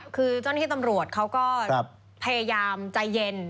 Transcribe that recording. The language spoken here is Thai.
คือเจ้าหน้าที่ตำรวจเขาก็พยายามใจเย็น